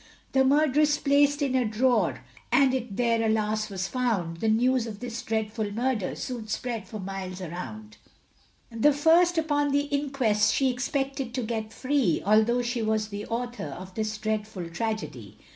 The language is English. The murderess placed in a drawer, And it there, alas! was found, The news of this dreadful murder, Soon spread for miles around; And first upon the inquest, She expected to get free, Although she was the author Of this dreadful tragedy.